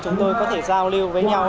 chúng tôi có thể giao lưu với nhau